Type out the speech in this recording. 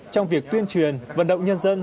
trong việc tuyên truyền vận động nhân dân